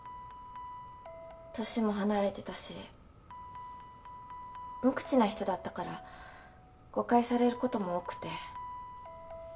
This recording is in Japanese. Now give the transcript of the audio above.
年も離れてたし無口な人だったから誤解されることも多くて。